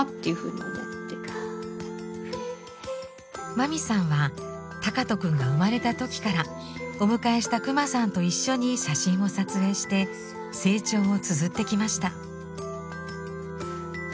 まみさんは敬斗くんが生まれた時からお迎えしたクマさんと一緒に写真を撮影して成長をつづってきました。